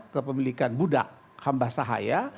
kepemilikan buddha hamba sahaya